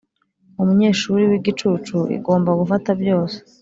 umunyeshuri wigicucu, igomba gufata byose.